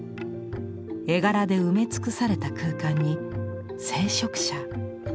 絵柄で埋め尽くされた空間に聖職者。